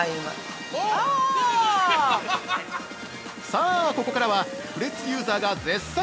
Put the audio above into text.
さぁ、ここからはフレッツユーザーが絶賛！